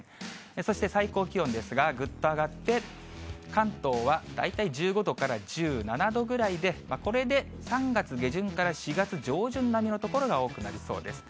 そして最高気温ですが、ぐっと上がって、関東は大体１５度から１７度ぐらいで、これで３月下旬から４月上旬並みの所が多くなりそうです。